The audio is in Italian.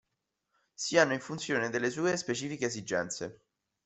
Si hanno in funzione delle sue specifiche esigenze.